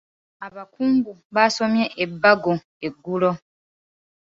Abakungu baasomye ebbago eggulo.